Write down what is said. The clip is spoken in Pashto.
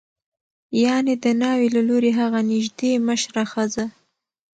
یعنې د ناوې له لوري هغه نژدې مشره ښځه